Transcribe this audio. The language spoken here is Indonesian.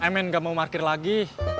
mn gak mau parkir lagi